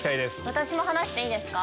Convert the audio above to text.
私も話していいですか。